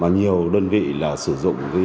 nhiều đơn vị sử dụng